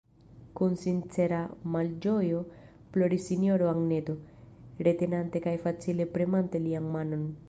Kun sincera malĝojo ploris sinjorino Anneto, retenante kaj facile premante lian manon.